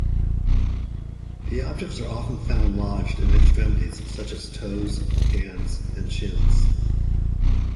The objects are often found lodged in extremities such as toes, hands and shins.